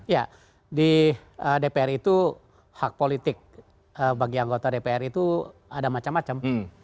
ya di dpr itu hak politik bagi anggota dpr itu ada macam macam